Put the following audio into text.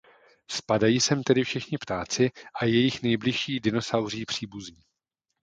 Spadají sem tedy všichni ptáci a jejich nejbližší dinosauří příbuzní.